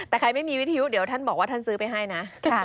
แต่ใครไม่มีวิทยุเดี๋ยวท่านบอกว่าท่านซื้อไปให้นะ